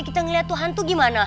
kita ngeliat tuh hantu gimana